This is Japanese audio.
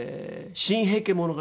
『新・平家物語』。